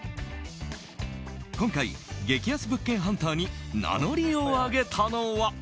今回、激安物件ハンターに名乗りを上げたのは。